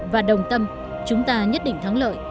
và đồng tâm chúng ta nhất định thắng lợi